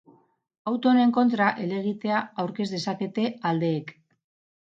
Auto honen kontra helegitea aurkez dezakete aldeek.